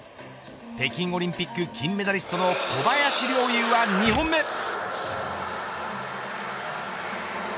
北京オリンピック金メダリストの小林陵侑は２本目。